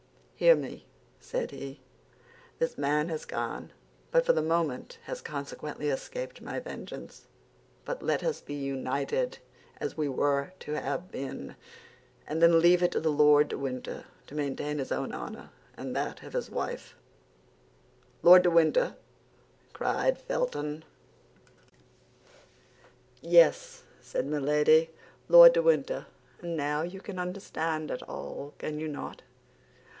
"'Hear me,' said he; 'this man has gone, and for the moment has consequently escaped my vengeance; but let us be united, as we were to have been, and then leave it to Lord de Winter to maintain his own honor and that of his wife.'" "Lord de Winter!" cried Felton. "Yes," said Milady, "Lord de Winter; and now you can understand it all, can you not?